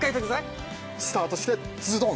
スタートしてズドン。